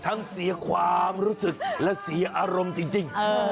ทั้งเสียความรู้สึกและเสียอารมณ์จริง